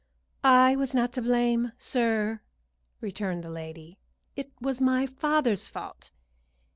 "I was not to blame, sir," returned the lady. "It was my father's fault.